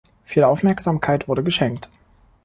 Viel Aufmerksamkeit wurde geschenkt.